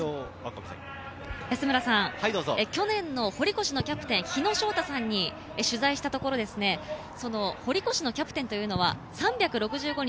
去年の堀越のキャプテン・日野翔太に取材したところ、堀越のキャプテンというのは３６５日